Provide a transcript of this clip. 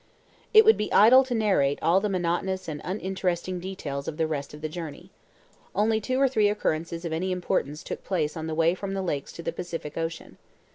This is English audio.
It would be idle to narrate all the monotonous and uninteresting details of the rest of the journey. Only two or three occurrences of any importance took place on the way from the lakes to the Pacific Ocean.